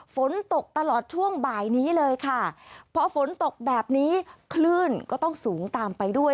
ฝนตกตลอดช่วงบ่ายนี้เลยค่ะพอฝนตกแบบนี้คลื่นก็ต้องสูงตามไปด้วย